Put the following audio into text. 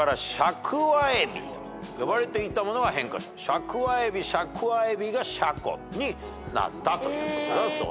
シャクワエビシャクワエビがシャコになったということだそうです。